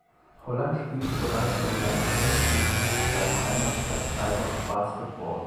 Holland spielte bereits an seiner High School in seiner Heimatstadt Tyler Basketball.